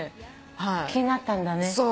気になったんだね。